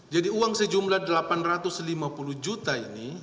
jadi uang sejumlah delapan ratus lima puluh juta ini